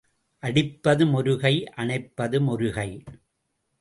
அடிப்பதும் ஒரு கை அணைப்பதும் ஒரு கை.